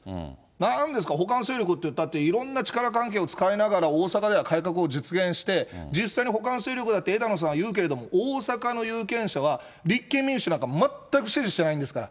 なんですか、補完勢力って言ったって、いろんな力関係を使いながら大阪では改革を実現して、実際に補完勢力だって枝野さんは言うけれども、大阪の有権者は、立憲民主なんか、全く支持してないんですから。